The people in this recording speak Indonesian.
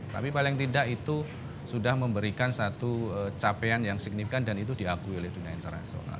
tapi paling tidak itu sudah memberikan satu capaian yang signifikan dan itu diakui oleh dunia internasional